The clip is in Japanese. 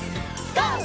ＧＯ！